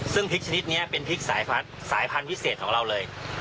ซึ่งพริกชนิดนี้เป็นพริกสายพันธุ์พิเศษของเราเลย